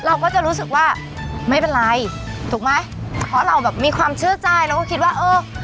เราก็จะรู้สึกว่าไม่เป็นไรถูกไหมเพราะเราแบบมีความเชื่อใจเราก็คิดว่าเออ